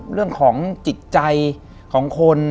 เรื่องของจิตใจของคน